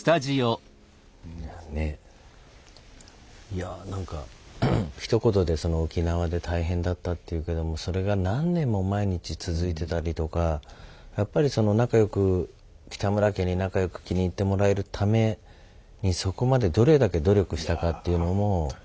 いやなんかひと言で「沖縄で大変だった」って言うけどもそれが何年も毎日続いてたりとかやっぱり北村家に仲良く気に入ってもらえるためにそこまでどれだけ努力したかっていうのも。